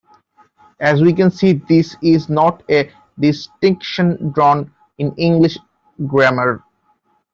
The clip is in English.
As we can see, this is not a distinction drawn in English grammar.